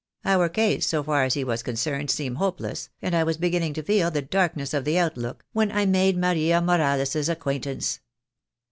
Our case, so far as he was concerned, seemed hopeless, and I was beginning to feel the darkness of the outlook, when I made Maria Morales' acquaintance.